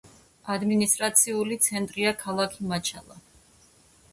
ადმინისტრაციული ცენტრია ქალაქი მაჩალა.